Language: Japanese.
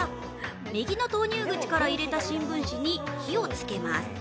右の投入口から入れた新聞紙に火を付けます。